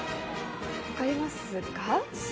わかりますか？